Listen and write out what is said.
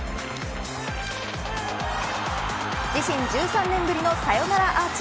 自信１３年ぶりのサヨナラアーチ。